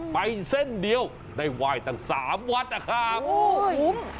ไปเส้นเดียวได้ไหว้ตั้งสามวัดนะครับโอ้คุ้ม